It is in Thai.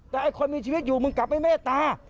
แต่ไอ้คนมีชีวิตอยู่มึงกลับไม่เมตตา